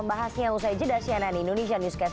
membahasnya usai jeda cnn indonesia newscast